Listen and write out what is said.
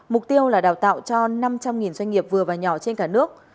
mục tiêu là đào tạo cho năm trăm linh doanh nghiệp vừa và nhỏ trên cả nước